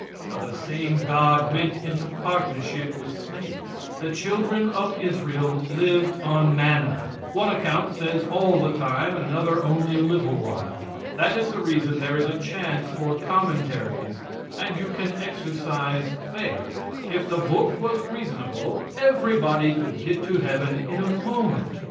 So the same God went into partnership with snakes. The children of Israel lived on manna one account says all the time, and another only a little while. That is the reason there is a chance for commentaries, and you can exercise faith. If the book was reasonable everybody could get to heaven in a moment.